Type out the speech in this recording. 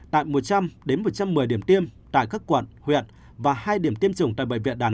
tại một trăm linh một trăm một mươi điểm tiêm tại các quận huyện và hai điểm tiêm chủng tại bệnh viện đà nẵng